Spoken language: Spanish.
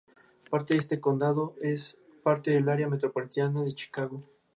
Parte de este condado es parte del área metropolitana de Chicago.